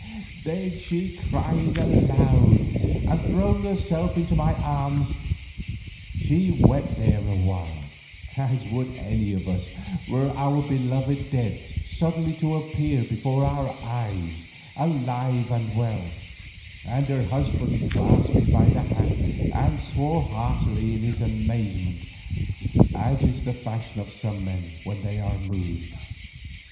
Then she cried aloud, and throwing herself into my arms, she wept there a while, as would any of us were our beloved dead suddenly to appear before our eyes, alive and well, and her husband clasped me by the hand and swore heartily in his amazement, as is the fashion of some men when they are moved.